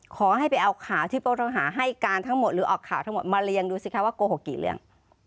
ขอให้ไปเอาข่าวที่ผู้ต้องหาให้การทั้งหมดหรือออกข่าวทั้งหมดมาเรียงดูสิคะว่าโกหกกี่เรื่อง